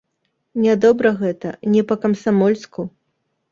Нядобра гэта, не па-камсамольску.